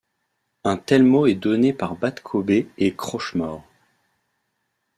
Un tel mot est donné par Badkobeh et Crochemore.